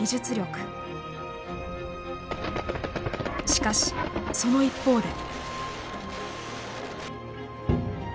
しかしその一方で。